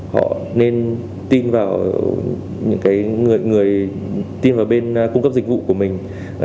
họ nên tin vào những cái người tin vào bên cung cấp dịch vụ của mình